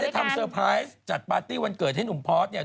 ทำเซอร์ไพรส์จัดปาร์ตี้วันเกิดให้หนุ่มพอร์ตเนี่ย